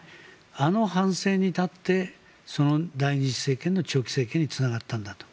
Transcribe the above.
あの反省に立って第２次政権の長期政権につながったんだと。